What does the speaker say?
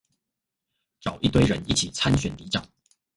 找一堆人一起參選里長